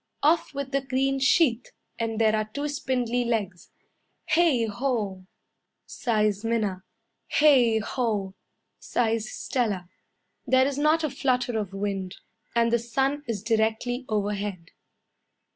Off with the green sheath, And there are two spindly legs. "Heigho!" sighs Minna. "Heigho!" sighs Stella. There is not a flutter of wind, And the sun is directly overhead.